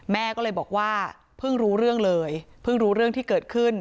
แม่ก็เลยบอกว่าเพิ่งรู้เรื่องเลยเพิ่งรู้เรื่องที่เกิดขึ้น